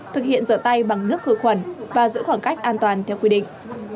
thực hiện rửa tay bằng nước khử khuẩn và giữ khoảng cách an toàn theo quy định